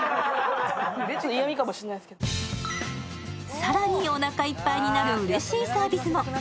更に、おなかいっぱいになるうれしいサービスも。